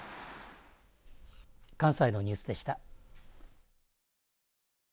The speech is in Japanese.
関西のニュースでした。